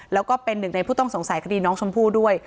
แล้วก็เป็นหนึ่งในผู้ต้องสงสัยคดีน้องชมพู่ด้วย